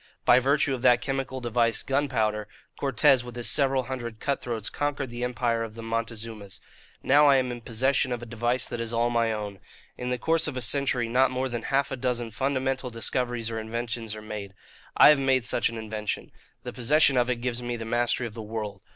By virtue of that chemical device, gunpowder, Cortes with his several hundred cut throats conquered the empire of the Montezumas. Now I am in possession of a device that is all my own. In the course of a century not more than half a dozen fundamental discoveries or inventions are made. I have made such an invention. The possession of it gives me the mastery of the world.